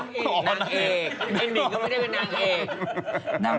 นางเอกนางเอกไอ้หนิงก็ไม่ได้เป็นนางเอก